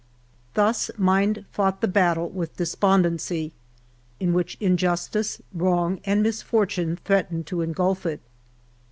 Thus mind fought the battle with despondency, in which injustice, wrong, and misfortune threatened to engulf it.